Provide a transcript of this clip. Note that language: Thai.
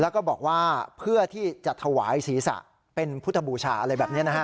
แล้วก็บอกว่าเพื่อที่จะถวายศีรษะเป็นพุทธบูชาอะไรแบบนี้นะฮะ